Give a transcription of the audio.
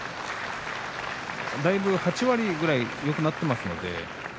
８割ぐらい腰はよくなっています。